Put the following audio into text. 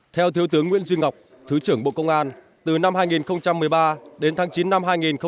theo thiếu tướng nguyễn duy ngọc thứ trưởng bộ công an từ năm hai nghìn một mươi ba đến tháng chín năm hai nghìn một mươi tám